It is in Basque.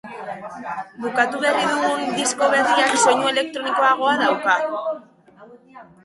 Bukatu berri dugun disko berriak soinu elektronikoagoa dauka.